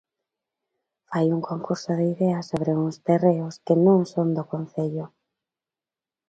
Fai un concurso de ideas sobre uns terreos que non son do Concello.